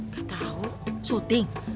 gak tahu syuting